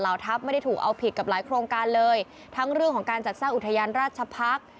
ทัพไม่ได้ถูกเอาผิดกับหลายโครงการเลยทั้งเรื่องของการจัดสร้างอุทยานราชพักษ์